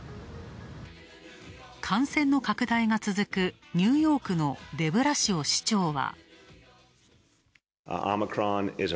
感染の拡大が続くニューヨークのデブラシオ市長は。